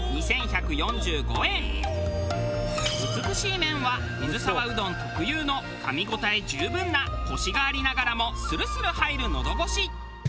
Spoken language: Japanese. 美しい麺は水沢うどん特有のかみ応え十分なコシがありながらもするする入る喉ごし。